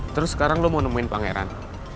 terus sekarang lo mau nemuin pangeran